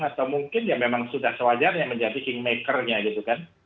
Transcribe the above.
atau mungkin ya memang sudah sewajarnya menjadi kingmakernya gitu kan